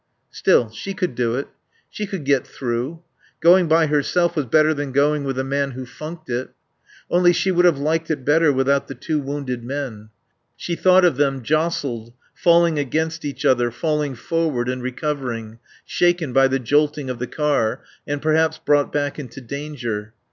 Still, she could do it. She could get through. Going by herself was better than going with a man who funked it. Only she would have liked it better without the two wounded men. She thought of them, jostled, falling against each other, falling forward and recovering, shaken by the jolting of the car, and perhaps brought back into danger.